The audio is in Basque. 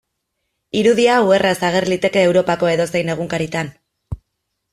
Irudi hau erraz ager liteke Europako edozein egunkaritan.